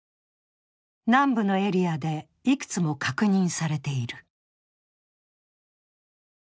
南部のエリアでいくつも確認されている。